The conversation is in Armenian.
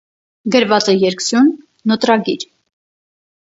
Գրված է երկսյուն, նոտրագիր։